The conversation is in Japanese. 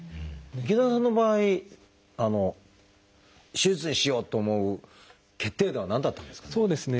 池田さんの場合手術にしようと思う決定打は何だったんですかね？